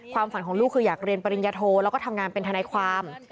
ความฝันของลูกคืออยากเรียนปริญญาโทแล้วก็ทำงานเป็นทนายความ